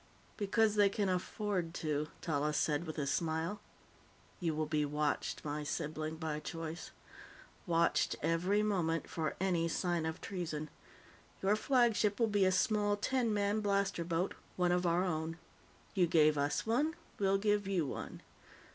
"Because they can afford to," Tallis said with a smile. "You will be watched, my sibling by choice. Watched every moment, for any sign of treason. Your flagship will be a small ten man blaster boat one of our own. You gave us one; we'll give you one.